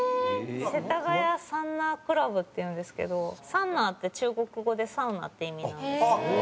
世田谷桑拿倶楽部っていうんですけど桑拿って中国語でサウナって意味なんですね。